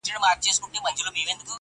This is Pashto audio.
o ماجت د گوزو ځاى نه دئ!